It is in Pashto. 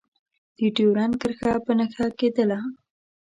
د ډیورنډ کرښه په نښه کېدله.